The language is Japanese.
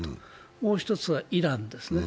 もう１つはイランですね。